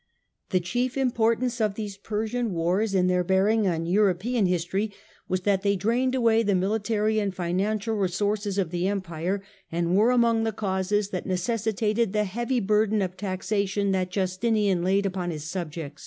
The chief importance of these Persian wars, in their bearing on European history, was that they drained away the military and financial resources of the Empire, and were among the causes that necessitated the In ;ivy burden of taxation that Justinian laid upon his subjects.